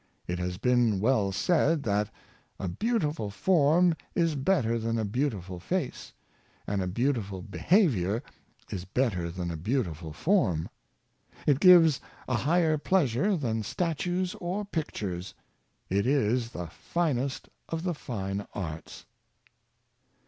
It has been well said that '' a beau tiful form is better than a beautiful face, and a beautiful behavior is better than a beautiful form; it gives a higher pleasure than statues or pictures; it is the finest of the fine arts."